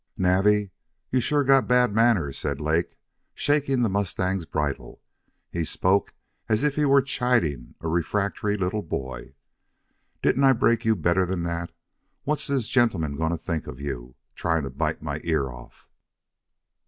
"Navvy, you've sure got bad manners," said Lake, shaking the mustang's bridle. He spoke as if he were chiding a refractory little boy. "Didn't I break you better'n that? What's this gentleman goin' to think of you? Tryin' to bite my ear off!"